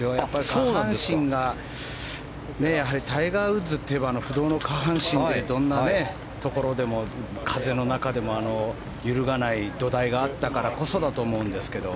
下半身がやはりタイガー・ウッズっていえば不動の下半身でどんなところでも風の中でも揺るがない土台があったからこそだと思うんですけど。